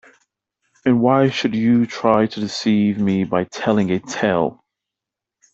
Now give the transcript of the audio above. And why should you try to deceive me by telling a tale?